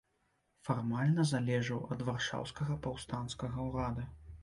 Фармальна залежаў ад варшаўскага паўстанцкага ўрада.